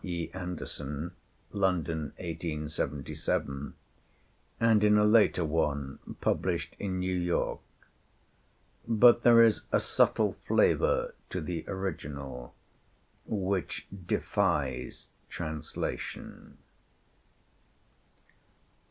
E. Anderson (London, 1877), and in a later one published in New York; but there is a subtle flavor to the original which defies translation.